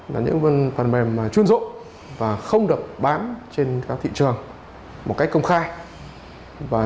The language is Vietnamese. là những phần mềm chuyên dụng và không được bán trên các thị trường một cách công khai